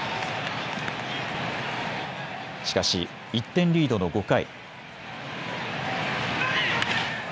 しかし１点リードの５回。